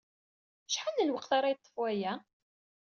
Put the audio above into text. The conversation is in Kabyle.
Acḥal n lweqt ara yeṭṭef waya?